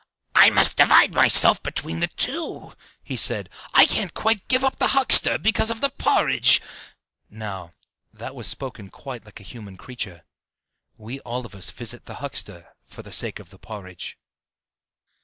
"I must divide myself between the two," he said; "I can't quite give up the huckster, because of the porridge!" Now, that was spoken quite like a human creature. We all of us visit the huckster for the sake of the porridge.